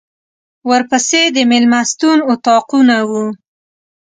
ورپسې د مېلمستون اطاقونه وو.